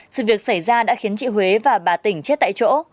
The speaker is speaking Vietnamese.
sự việc xảy ra đã khiến chị huế và bà tỉnh chết tại chỗ